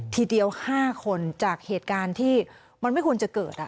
ทีเดียว๕คนจากเหตุการณ์ที่มันไม่ควรจะเกิด